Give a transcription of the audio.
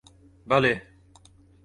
Belê.